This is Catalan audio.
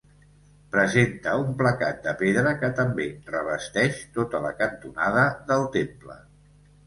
Presenta un placat de pedra que també revesteix tota la cantonada del temple.